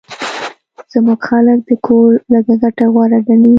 زموږ خلک د کور لږه ګټه غوره ګڼي